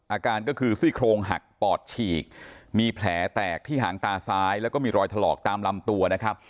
อาการก็คือซี่โครงหักปอดฉีกมีแผลแตกที่หางตาซ้ายแล้วก็มีรอยถลอกตามลำตัวนะครับ